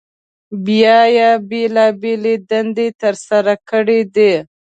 بیا یې بېلابېلې دندې تر سره کړي دي.